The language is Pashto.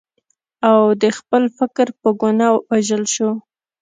او د خپل فکر په ګناه ووژل شو.